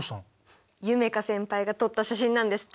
夢叶先輩が撮った写真なんですって。